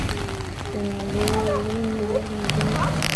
رینالډي وویل: ولي نه، ډیرې نجونې شته.